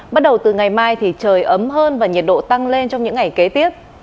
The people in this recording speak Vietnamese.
bắt đầu từ ngày mai thì trời ấm hơn và nhiệt độ tăng lên trong những ngày kế tiếp